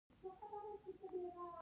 زه يې ونه لیدم.